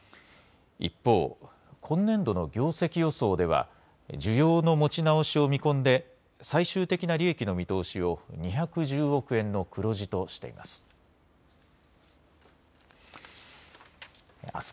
一方、今年度の業績予想では需要の持ち直しを見込んで、最終的な利益の見通しを２１０億円の黒字としています。